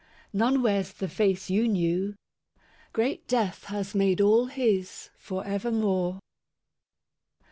None wears the face you knew. Great death has made all his for evermore.